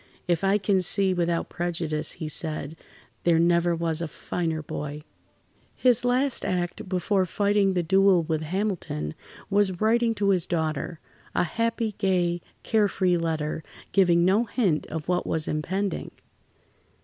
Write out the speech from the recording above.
"If I can see without prejudice," he said, "there never was a finer boy." His last act before fighting the duel with Hamilton, was writing to his daughter—a happy, gay, care free letter, giving no hint of what was impending.